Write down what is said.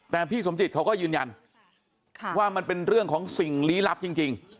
แต่พี่สมจิตเขาก็ยืนยันว่ามันเป็นเรื่องของสิ่งลี้ลับจริง